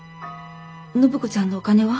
暢子ちゃんのお金は？